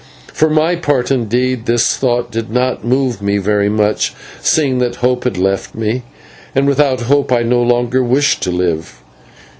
For my part, indeed, this thought did not move me very much, seeing that hope had left me, and without hope I no longer wished to live.